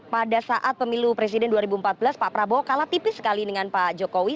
pada saat pemilu presiden dua ribu empat belas pak prabowo kalah tipis sekali dengan pak jokowi